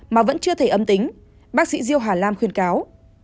mà vẫn chưa thể âm tính bác sĩ diêu hà lam khuyên cáo